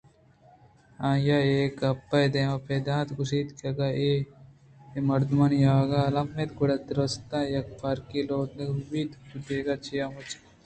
آئیءَ اے گپ دمان پہ دمان گوٛشت کہ اگاں اے مردمانی آہگ الّمی اِنت گڑا دُرٛستان ءَ یکپارگی لوٹائینگ بہ بیت ادا چیا مچوکائی اِنت